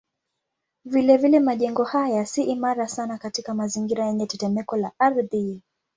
Vilevile majengo haya si imara sana katika mazingira yenye tetemeko la ardhi.